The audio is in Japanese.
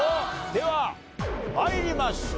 では参りましょう。